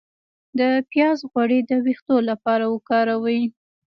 د پیاز غوړي د ویښتو لپاره وکاروئ